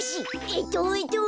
えっとえっと。